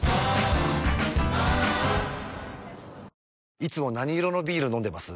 いつも何色のビール飲んでます？